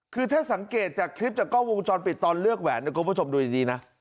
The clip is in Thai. คือถ้าสังเกตจากคลิปจากกล้องวงจรปิดตอนเลือกแหวนนะคุณผู้ชมดูดีนะ